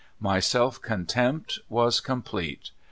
My self contempt was complete.